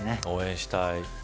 応援したい。